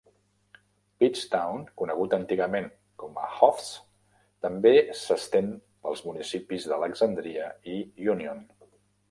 Pittstown, conegut antigament com a Hoffs, també s'estén pels municipis d'Alexandria i Union.